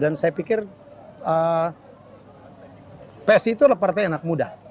dan saya pikir psi itu adalah partai anak muda